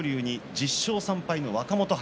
１０勝３敗の若元春。